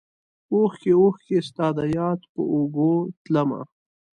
اوښکې ، اوښکې ستا دیاد په اوږو تلمه